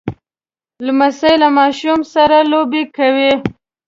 لمسی له ماشومو سره لوبې کوي.